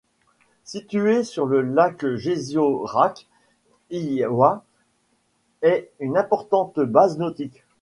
Située sur le lac Jeziorak, Iława est une importante base nautique.